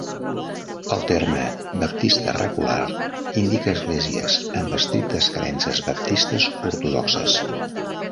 El terme "baptista regular" indica esglésies amb estrictes creences baptistes ortodoxes.